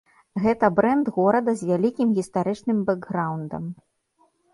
Гэта брэнд горада з вялікім гістарычным бэкграўндам.